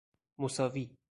مساوی